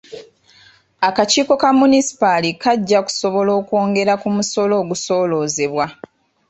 Akakiiko ka Munisipaali kajja kusobola okwongera ku musolo ogusooloozebwa.